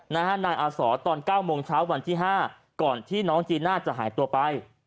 นะฮะนายอสอตอนเก้าโมงเช้าวันที่ห้าก่อนที่น้องจีน่าจะหายตัวไป